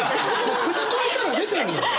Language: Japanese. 口越えたら出てんのよ！